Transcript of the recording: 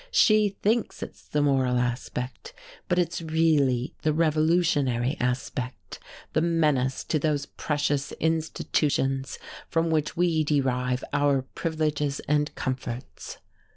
She thinks it's the moral aspect, but it's really the revolutionary aspect, the menace to those precious institutions from which we derive our privileges and comforts."